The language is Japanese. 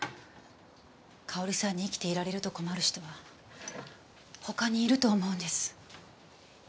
佳保里さんに生きていられると困る人は他にいると思うんです。